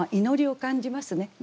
祈りを感じますね。